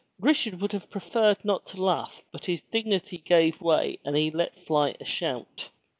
Richard would have preferred not to laugh but his dignity gave way and he let fly a shout.